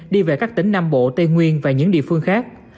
đi về các tỉnh nam bộ tây nguyên và những địa phương khác